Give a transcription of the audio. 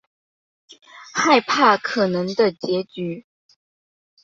害怕可能的结局